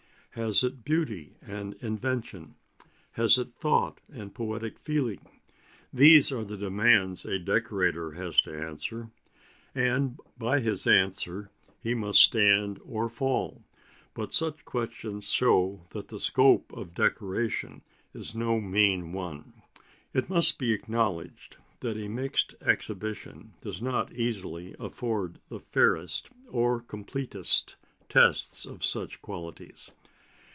Has it beauty and invention? Has it thought and poetic feeling? These are the demands a decorator has to answer, and by his answer he must stand or fall; but such questions show that the scope of decoration is no mean one. It must be acknowledged that a mixed exhibition does not easily afford the fairest or completest tests of such qualities.